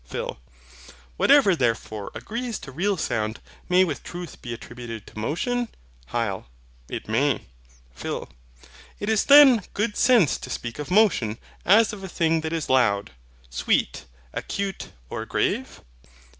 PHIL. Whatever therefore agrees to real sound, may with truth be attributed to motion? HYL. It may. PHIL. It is then good sense to speak of MOTION as of a thing that is LOUD, SWEET, ACUTE, or GRAVE.